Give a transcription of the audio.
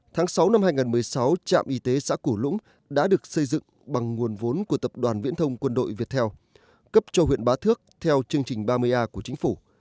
tháng sáu năm hai nghìn một mươi sáu trạm y tế xã cổ lũng đã được xây dựng bằng nguồn vốn của tập đoàn viễn thông quân đội việt theo cấp cho huyện bá thước theo chương trình ba mươi a của chính phủ